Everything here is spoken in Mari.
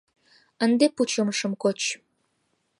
Ынде пучымышым коч».